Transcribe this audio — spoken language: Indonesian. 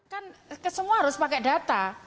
kan semua harus pakai data